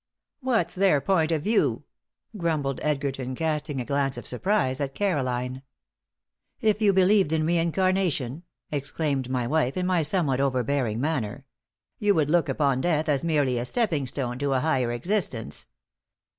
"What's their point of view?" grumbled Edgerton, casting a glance of surprise at Caroline. "If you believed in reincarnation," exclaimed my wife, in my somewhat overbearing manner, "you would look upon death as merely a stepping stone to a higher existence.